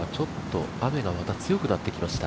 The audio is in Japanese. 福岡は雨がまた強くなってきました